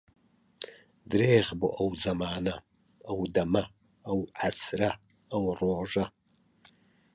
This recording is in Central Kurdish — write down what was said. درێخ بۆ ئەو زەمانە، ئەو دەمە، ئەو عەسرە، ئەو ڕۆژە